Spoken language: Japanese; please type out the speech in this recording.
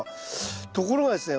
ところがですね